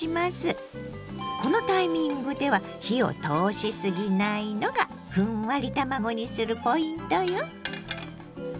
このタイミングでは火を通しすぎないのがふんわり卵にするポイントよ。